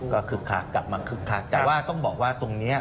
ก็คึกคักกลับมาคึกคักแต่ว่าต้องบอกว่าตรงนี้